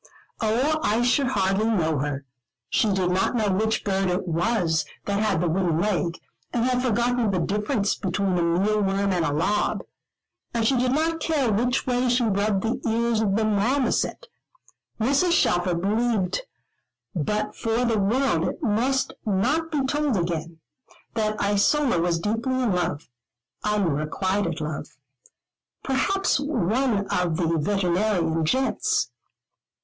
Oh, I should hardly know her. She did not know which bird it was that had the wooden leg, and had forgotten the difference between a meal worm and a lob. And she did not care which way she rubbed the ears of the marmoset. Mrs. Shelfer believed, but for the world it must not be told again, that Isola was deeply in love, unrequited love, perhaps one of the weteranarian gents.